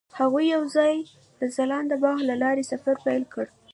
هغوی یوځای د ځلانده باغ له لارې سفر پیل کړ.